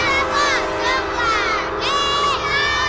kan gue bukanya berbual